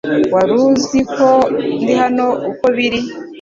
Wari uziko ndi hano uko biri